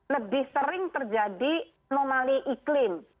lebih sering terjadi anomali iklim